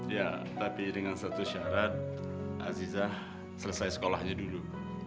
ya tapi dengan satu syarat aziza selesai sekolahnya dulu